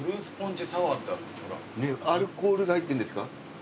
アルコールが入ってんですか？